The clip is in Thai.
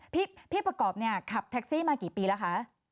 พี่ประกอบเนี่ยขับแท็กซี่มากี่ปีแล้วคะ